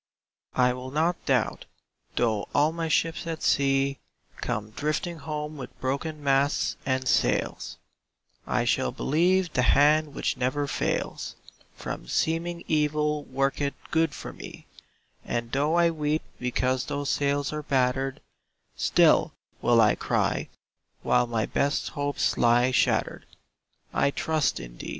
I will not doubt, though all my ships at sea Come drifting home with broken masts and sails; I shall believe the Hand which never fails, From seeming evil worketh good for me; And though I weep because those sails are battered, Still will I cry, while my best hopes lie shattered, "I trust in thee."